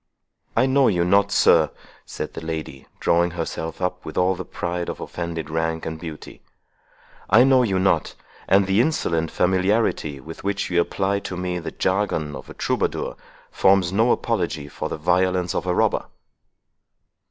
"I know you not, sir," said the lady, drawing herself up with all the pride of offended rank and beauty; "I know you not—and the insolent familiarity with which you apply to me the jargon of a troubadour, forms no apology for the violence of a robber."